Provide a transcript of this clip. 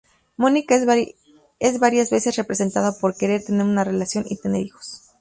Mónica es varias veces representada por querer tener una relación y tener hijos.